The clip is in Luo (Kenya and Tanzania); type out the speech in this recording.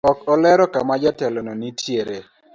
Ok olero kama jatelono nitiere.